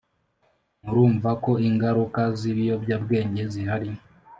murumva ko ingaruka z’ibiyobyabwenge zihari